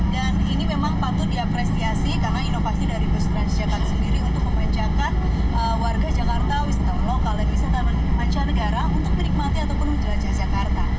dan ini memang patut diapresiasi karena inovasi dari bus lens jakarta sendiri untuk memanjakan warga jakarta wisata lokal dan wisata panca negara untuk menikmati ataupun menjelajah jakarta